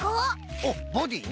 おっボディーね！